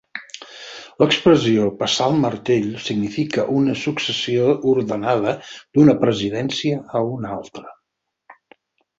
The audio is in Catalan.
L'expressió "passar el martell" significa una successió ordenada d'una presidència a una altra.